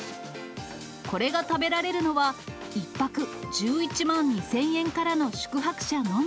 これが食べられるのは、１泊１１万円２０００円からの宿泊者のみ。